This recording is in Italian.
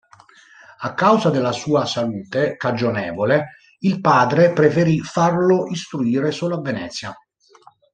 A causa della sua salute cagionevole, il padre preferì farlo istruire solo a Venezia.